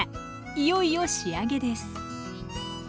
いよいよ仕上げです